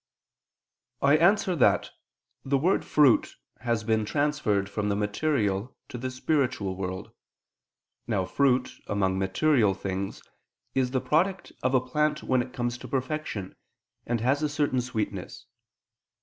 I answer that, The word "fruit" has been transferred from the material to the spiritual world. Now fruit, among material things, is the product of a plant when it comes to perfection, and has a certain sweetness.